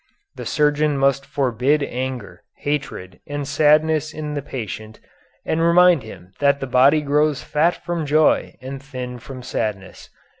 The surgeon must forbid anger, hatred, and sadness in the patient, and remind him that the body grows fat from joy and thin from sadness.